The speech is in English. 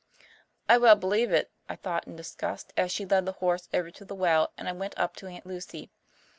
"I well believe it," I thought in disgust, as she led the horse over to the well and I went up to Aunt Lucy.